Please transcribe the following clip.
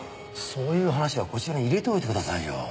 そういう話はこちらに入れておいてくださいよ。